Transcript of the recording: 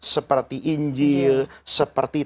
seperti injil seperti